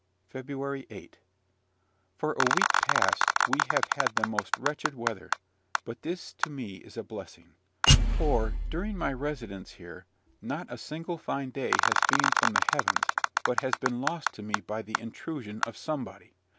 FEBRUARY 8. For a week past we have had the most wretched weather: but this to me is a blessing; for, during my residence here, not a single fine day has beamed from the heavens, but has been lost to me by the intrusion of somebody.